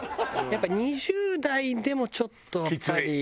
やっぱり２０代でもちょっとやっぱり。